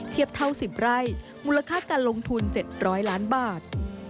เทียบเท่า๑๐ไร่มูลค่าการลงทุน๗๐๐ล้านบาท